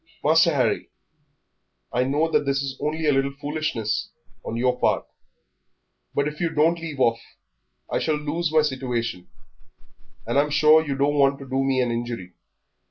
"Master Harry, I know that this is only a little foolishness on your part, but if you don't leave off I shall lose my situation, and I'm sure you don't want to do me an injury."